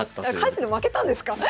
カジノ負けたんですか？